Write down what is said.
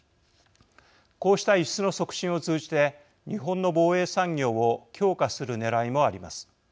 こうした輸出の促進を通じて日本の防衛産業を強化するねらいもあります。